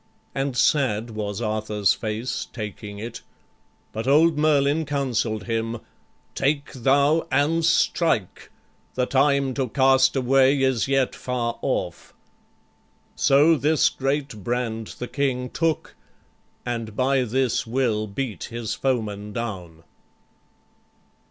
And sad was Arthur's face Taking it, but old Merlin counsel'd him, 'Take thou and strike! the time to cast away Is yet far off.' So this great brand the king Took, and by this will beat his foemen down."